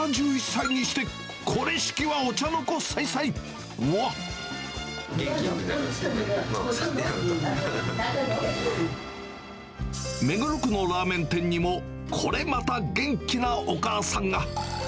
７１歳にして、これしきはお元気になります、目黒区のラーメン店にも、これまた元気なお母さんが。